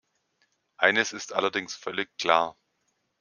Eines ist allerdings völlig klar.